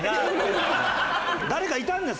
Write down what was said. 誰かいたんですか？